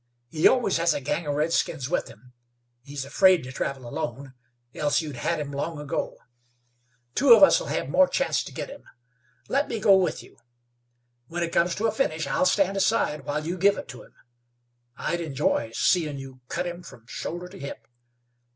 He always has a gang of redskins with him; he's afraid to travel alone, else you'd had him long ago. Two of us'll have more chance to get him. Let me go with you. When it comes to a finish, I'll stand aside while you give it to him. I'd enjoy seein' you cut him from shoulder to hip.